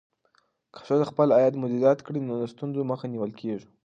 که ښځه خپل عاید مدیریت کړي، نو د ستونزو مخه نیول کېږي.